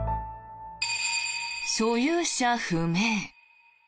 所有者不明。